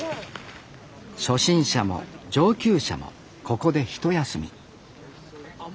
初心者も上級者もここで一休み